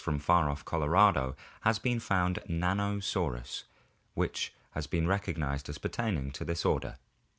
from far off Colorado has been found Nanosaurus which has been recognized as pertaining to this order.